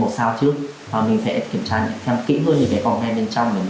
mà chị thkind bình tĩnh